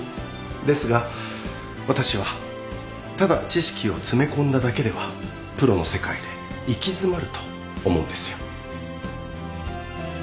ですが私はただ知識を詰め込んだだけではプロの世界で行き詰まると思うんですよ。